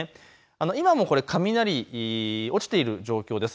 今も雷、落ちている状況です。